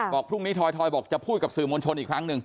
บอกพรุ่งนี้ทอยบอกจะพูดกับสื่อมวลชนอีกครั้งหนึ่ง